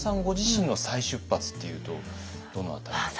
ご自身の再出発っていうとどの辺り？